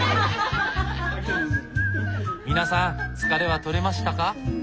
皆さん疲れは取れましたか？